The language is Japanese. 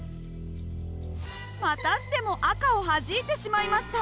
またしても赤をはじいてしまいました。